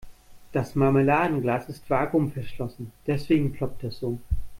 Das Marmeladenglas ist vakuumverschlossen, deswegen ploppt es so.